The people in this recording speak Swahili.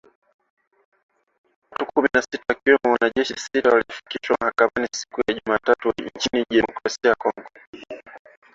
Watu kumi na sita wakiwemo wanajeshi tisa, walifikishwa mahakamani siku ya Jumatatu nchini Jamhuri ya Kidemokrasi ya kongo